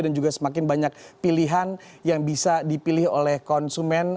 dan juga semakin banyak pilihan yang bisa dipilih oleh konsumen